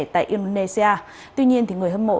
tại indonesia tuy nhiên thì người hâm mộ